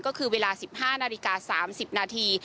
ก็คือเวลา๑๕นาฬิกา๓๐นาที